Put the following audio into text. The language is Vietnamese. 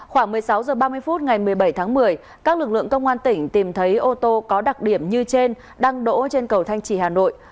khoảng một mươi sáu h ba mươi phút ngày một mươi bảy tháng một mươi các lực lượng công an tỉnh tìm thấy ô tô có đặc điểm như trên đang đổ trên cầu thanh trì hà nội